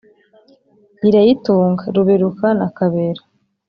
irayitunga ruberuka na kabera.